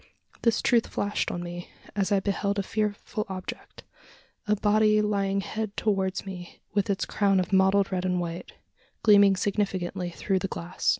This truth flashed on me, as I beheld a fearful object a body lying head towards me, with its crown of mottled red and white, gleaming significantly through the glass.